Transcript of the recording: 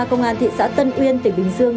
công an thị xã tân uyên tỉnh bình dương